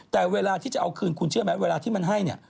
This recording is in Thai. แต่เวลาที่จะเอาคืนคุณเชื่อไหมเวลาที่มันให้เนี่ย